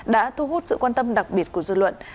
đã thu hút sự quan tâm đặc biệt của dư luận